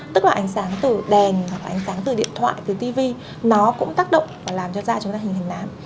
tức là ánh sáng từ đèn hoặc ánh sáng từ điện thoại từ tv nó cũng tác động và làm cho da chúng ta hình thành làm